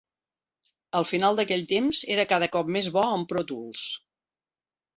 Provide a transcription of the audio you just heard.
Al final d'aquell temps era cada cop més bo amb Pro-Tools.